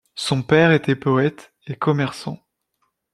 Son père était poète et commerçant.